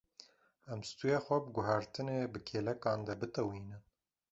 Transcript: Em stûyê xwe bi guhertinê bi kêlekan de bitewînin.